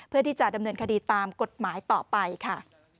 เพื่อที่จะดำเนินคดีตามกฎหมายต่อไปค่ะ